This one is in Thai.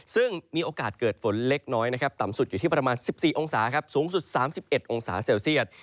ซึ่งมีโอกาสเกิดฝนเล็กน้อยนะครับต่ำสุดอยู่ที่ประมาณ๑๔องศาครับสูงสุด๓๑องศาเซลเซียต